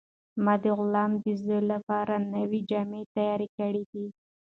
ما د غلام د زوی لپاره نوې جامې تیارې کړې دي.